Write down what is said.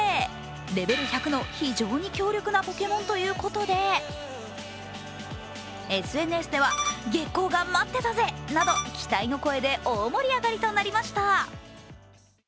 レベル１００の非常に強力なポケモンということでＳＮＳでは期待の声で大盛り上がりとなりました。